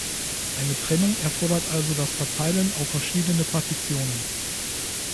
Eine Trennung erfordert also das Verteilen auf verschiedene Partitionen.